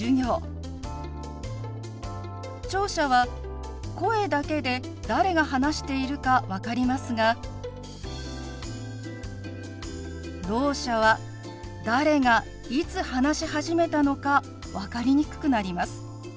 聴者は声だけで誰が話しているか分かりますがろう者は誰がいつ話し始めたのか分かりにくくなります。